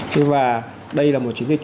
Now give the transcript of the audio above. thế và đây là một chiến dịch